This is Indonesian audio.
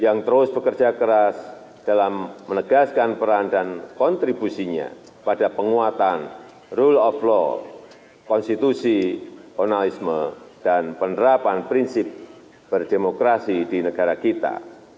yang terus bekerja keras dalam menegaskan peran dan kontribusinya pada penguatan rule of law konstitusionalisme dan penerapan prinsip berdemokrasi di negara kita